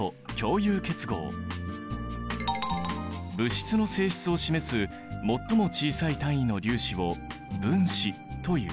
物質の性質を示す最も小さい単位の粒子を分子という。